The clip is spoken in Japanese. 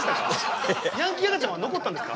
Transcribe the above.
ヤンキー赤ちゃんは残ったんですか？